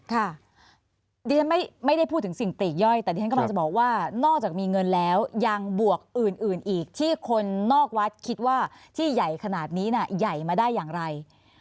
ค่ะดิฉันไม่ได้พูดถึงสิ่งปลีกย่อยแต่ดิฉันกำลังจะบอกว่านอกจากมีเงินแล้วยังบวกอื่นอีกที่คนนอกวัดคิดว่าที่ใหญ่ขนาดนี้ใหญ่มาได้อย่างไร